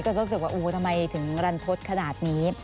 รู้สึกว่าทำไมถึงรันทศขนาดนี้